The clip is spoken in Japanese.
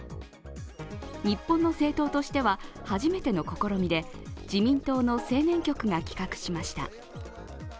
日本の政党としては初めての試みで自民党の青年局が企画しました。